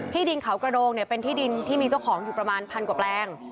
ดินเขากระโดงเป็นที่ดินที่มีเจ้าของอยู่ประมาณพันกว่าแปลง